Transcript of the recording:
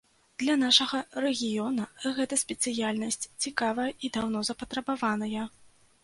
Для нашага рэгіёна гэта спецыяльнасць цікавая і даўно запатрабаваная.